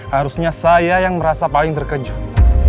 harusnya saya yang merasa paling terkejut